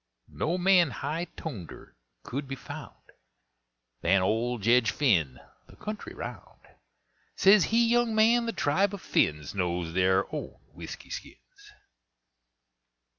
No man high toneder could be found Than old Jedge Phinn the country round. Says he, "Young man, the tribe of Phinns Knows their own whisky skins!"